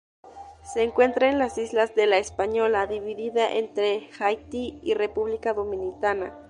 Se encuentra en las isla de La Española, dividida entre Haití y República Dominicana.